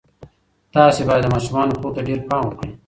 تاسې باید د ماشومانو خوب ته ډېر پام وکړئ.